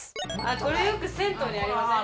これよく銭湯にありません？